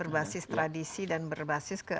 berbasis tradisi dan berbasis ke